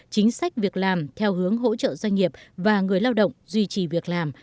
chính sách việc làm theo hướng hỗ trợ doanh nghiệp và người lao động duy trì việc làm